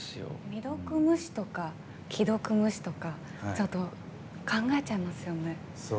未読無視とか既読無視とかちょっと考えちゃいますよね。